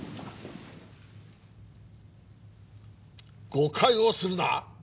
誤解をするな！